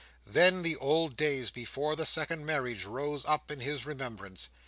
Then, the old days before the second marriage rose up in his remembrance.